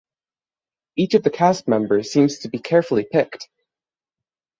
Each of the cast member seems to be carefully picked.